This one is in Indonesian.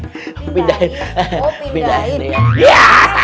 oh pindahin ya